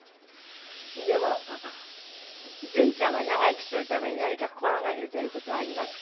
でも順ちゃんは長生きするために何か心がけてる事はありますか？